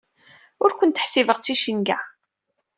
Ur kent-ḥsibeɣ d ticenga.